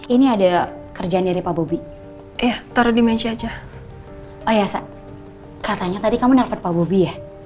ini ada kerjaan dari pak bobby taruh di meja aja oh ya katanya tadi kamu nangis